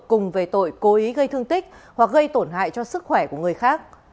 cùng về tội cố ý gây thương tích hoặc gây tổn hại cho sức khỏe của người khác